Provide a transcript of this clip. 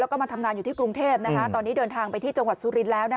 แล้วก็มาทำงานอยู่ที่กรุงเทพตอนนี้เดินทางไปที่จังหวัดสุรินทร์แล้วนะคะ